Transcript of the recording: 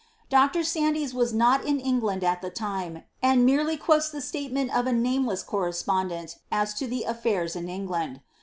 Dr. Sandys was not in England at the timai and merely quotes the statement of a nameless correspondent as to the afl&irs in England.